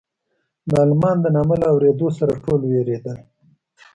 د المان د نامه له اورېدو سره ټول وېرېدل.